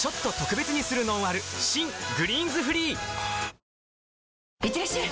新「グリーンズフリー」いってらっしゃい！